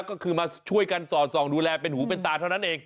ก็คือมาช่วยกันสอดส่องดูแลเป็นหูเป็นตาเท่านั้นเอง